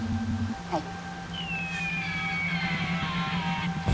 はい。